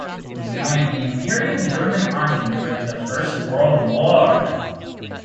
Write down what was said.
He joined the Imperial German Army during the First World War.